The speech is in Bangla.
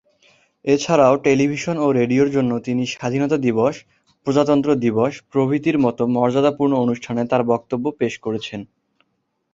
এছাড়াও টেলিভিশন ও রেডিওর জন্য তিনি স্বাধীনতা দিবস, প্রজাতন্ত্র দিবস প্রভৃতির মতো মর্যাদাপূর্ণ অনুষ্ঠানে তাঁর বক্তব্য পেশ করেছেন।